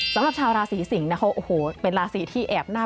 สำหรับชาวระศีสิงค่ะเป็นราศีที่แอบหน้า